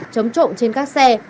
chống trộm trên các xe